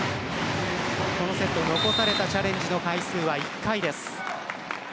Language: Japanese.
このセット残されたチャレンジの回数は１回です。